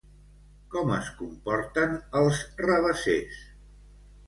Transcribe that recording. Com es comporten els rabassers?